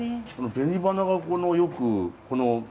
紅花がよくこの辺りに。